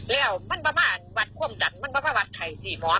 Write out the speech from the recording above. แล้วมันประมาณวัดความดันมันประมาณไข่ที่หมอน